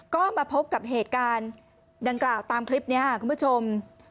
ก็มาพบกับเหตุการณ์ดังกล่าวตามคลิปนี้ค่ะคุณผู้ชม